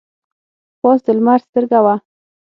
پاس د لمر سترګه وه.